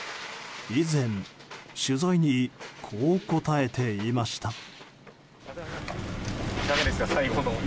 以前、取材にこう答えていました。